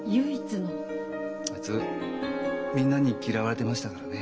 あいつみんなに嫌われてましたからね。